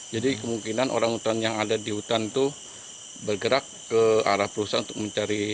jadi kemungkinan orang utan yang ada di hutan itu bergerak ke arah perusahaan untuk mencari